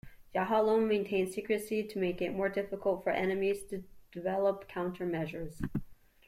Yahalom maintains secrecy to make it more difficult for enemies to develop countermeasures.